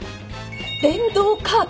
「電動カート」？